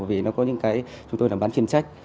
vì nó có những cái chúng tôi là bán chuyên trách